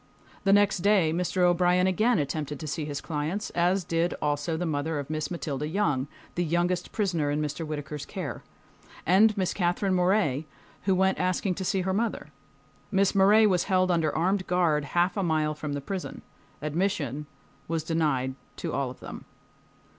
The next day Mr. O'Brien again attempted to see his clients, as did also the mother of Miss Matilda Young, the youngest prisoner in Mr. Whittaker's care, and Miss Katherine Morey, who went asking to see her mother. Miss Morey was held under armed guard half a mile from the prison. Admission was denied to all of them.